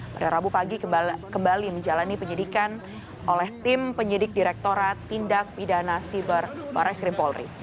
pada rabu pagi kembali menjalani penyidikan oleh tim penyidik direkturat tindak pidana siber barres krim polri